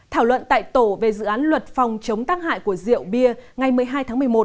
thảo luận tại tổ về dự án luật phòng chống tác hại của rượu bia ngày một mươi hai tháng một mươi một